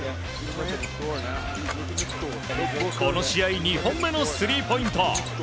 この試合２本目のスリーポイント。